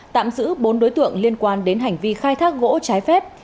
tạm giữ bốn đối tượng liên quan đến hành vi khai thác gỗ trái phép